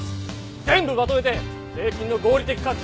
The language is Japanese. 全部まとめて税金の合理的活用ができる！